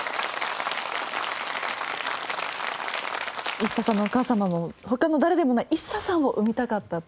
ＩＳＳＡさんのお母様も他の誰でもないＩＳＳＡさんを産みたかったって。